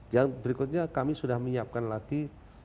yang berikutnya kami sudah menyiapkan lagi